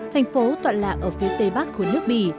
thành phố toạn lạc ở phía tây bắc của nước bỉ